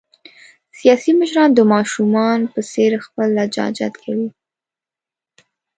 سیاسي مشران د ماشومان په څېر خپل لجاجت کوي.